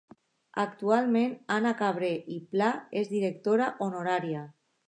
Actualment Anna Cabré i Pla és Directora Honorària.